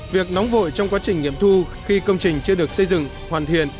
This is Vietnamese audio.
việc nóng vội trong quá trình nghiệm thu khi công trình chưa được xây dựng hoàn thiện